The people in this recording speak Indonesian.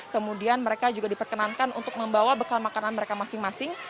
kemudian mereka juga diperkenankan untuk membawa bekal makanan mereka masing masing